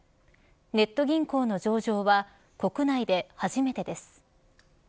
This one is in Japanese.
ネット銀行の上場は国内で初めてです。